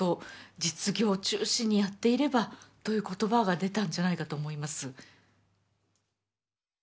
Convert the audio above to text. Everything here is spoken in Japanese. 実業中心にやっていればという言葉が出たんじゃないかと思います。